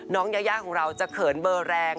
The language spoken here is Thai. ยายาของเราจะเขินเบอร์แรง